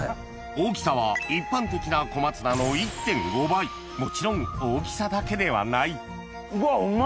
大きさは一般的な小松菜のもちろん大きさだけではないうわうま！